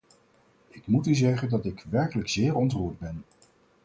Ik moet u zeggen dat ik werkelijk zeer ontroerd ben.